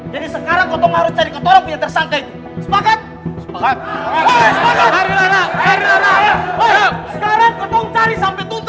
jadi sekarang kau tahu mau cari kata orang punya tersangkai itu